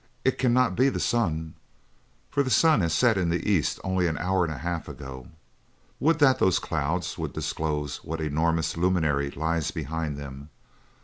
"It cannot be the sun, for the sun set in the east only an hour and a half ago. Would that those clouds would disclose what enormous luminary lies behind them!